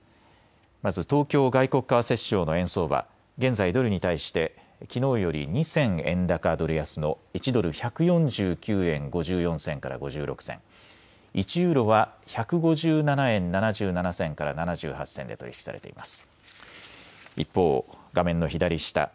まず東京外国為替市場の円相場、現在ドルに対してきのうより２銭円高ドル安の１ドル１４９円５４銭から５６銭、１ユーロは１５７円７７銭から７８銭で取り引きされています。